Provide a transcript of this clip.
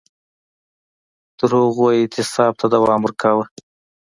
تر هغو یې اعتصاب ته دوام ورکاوه